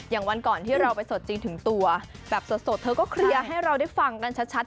วันก่อนที่เราไปสดจริงถึงตัวแบบสดเธอก็เคลียร์ให้เราได้ฟังกันชัด